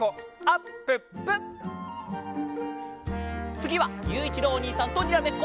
つぎはゆういちろうおにいさんとにらめっこ。